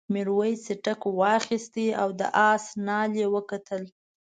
میرويس څټک واخیست او د آس نال یې وکتل.